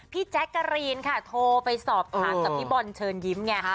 แจ๊กกะรีนค่ะโทรไปสอบถามกับพี่บอลเชิญยิ้มไง